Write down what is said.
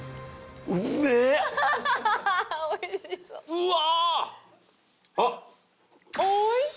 うわ！